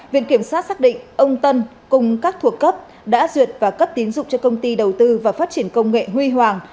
viện kiểm sát xác định ông tân cùng các thuộc cấp đã duyệt và cấp tín dụng cho công ty đầu tư và phát triển công nghệ huy hoàng